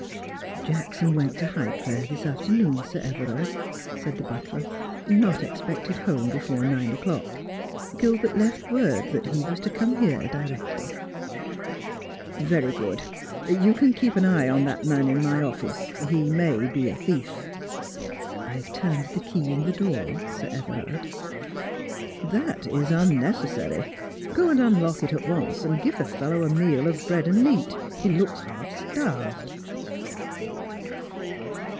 ' Jackson went to Highclere this afternoon, Sir Everard.' said the butler. ' Not expected home before nine o'clock. Gilbert left word that he was to come here directly.' ' Very good ; you can keep an eye on that man in my office, he may be a thief.' ' I've turned the key in the door, Sir Everard.' ' That is unnecessary. Go and unlock it at once, and give the fellow a meal of bread and meat : he looks half starved.'